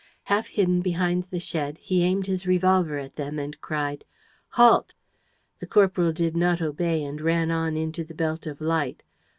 Half hidden behind the shed, he aimed his revolver at them and cried: "Halt!" The corporal did not obey and ran on into the belt of light.